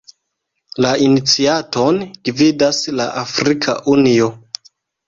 La iniciaton gvidas la Afrika Unio.